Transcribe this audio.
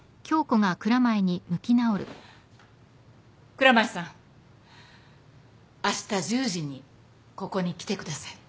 蔵前さんあした１０時にここに来てください。